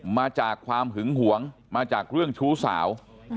มาจากความหึงหวงมาจากเรื่องชู้สาว